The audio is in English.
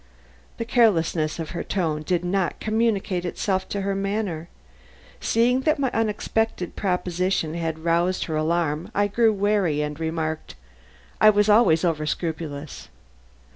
The carelessness of her tone did not communicate itself to her manner. Seeing that my unexpected proposition had roused her alarm, I grew wary and remarked: "I was always overscrupulous."